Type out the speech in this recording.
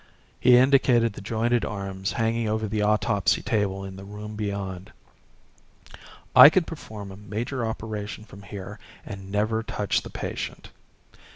He indicated the jointed arms hanging over the autopsy table in the room beyond. "I could perform a major operation from here and never touch the patient.